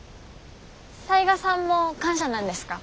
雑賀さんも官舎なんですか？